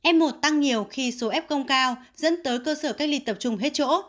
f một tăng nhiều khi số f công cao dẫn tới cơ sở cách ly tập trung hết chỗ